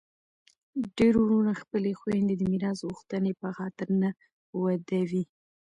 ډیری وروڼه خپلي خویندي د میراث غوښتني په خاطر نه ودوي.